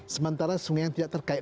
sementara sungai yang tidak terkait